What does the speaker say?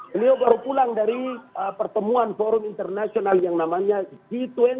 beliau baru pulang dari pertemuan forum internasional yang namanya g dua puluh